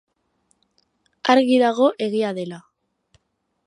Argi dago egia dela.